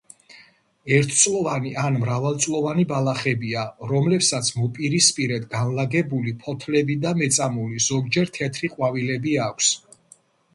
ერთწლოვანი ან მრავალწლოვანი ბალახებია, რომლებსაც მოპირისპირედ განლაგებული ფოთლები და მეწამული, ზოგჯერ თეთრი ყვავილები აქვს.